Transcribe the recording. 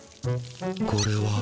これは？